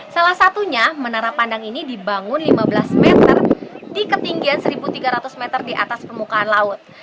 salah satunya menara pandang ini dibangun lima belas meter di ketinggian satu tiga ratus meter di atas permukaan laut